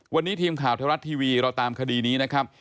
วันนี้ทีมข่าวไทยรัฐทีวีเราตามคดีนี้นะครับ